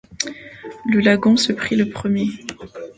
Le lagon se prit le premier.